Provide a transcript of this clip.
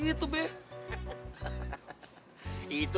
itu namanya gak punya pendirian itu